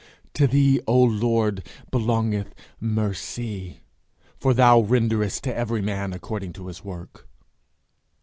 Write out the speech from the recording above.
'To thee, O Lord, belongeth mercy, for thou renderest to every man according to his work.'